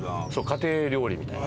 家庭料理みたいな。